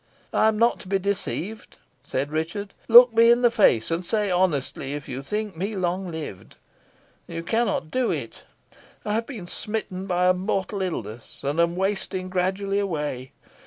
"I am not to be deceived," said Richard. "Look me in the face, and say honestly if you think me long lived. You cannot do it. I have been smitten by a mortal illness, and am wasting gradually away.